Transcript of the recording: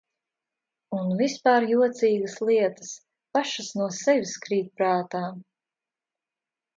Un vispār jocīgas lietas pašas no sevis krīt prātā.